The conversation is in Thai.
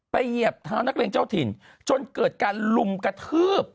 เหยียบเท้านักเรียนเจ้าถิ่นจนเกิดการลุมกระทืบ